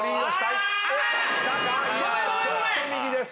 いやちょっと右です。